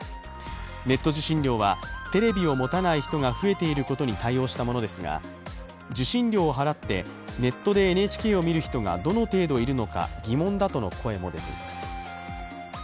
ネット受診料はテレビを持たない人が増えていることに対応したものですが受信料を払ってネットでＮＨＫを見る人がどの程度いるのか疑問だとの声も出ています。